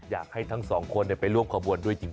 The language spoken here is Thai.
อยากให้ทั้งสองคนไปร่วมขบวนด้วยจริง